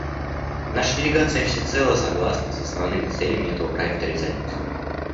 Наша делегация всецело согласна с основными целями этого проекта резолюции.